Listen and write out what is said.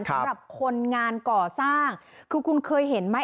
สำหรับคนงานก่อสร้างคือคุณเคยเห็นไหม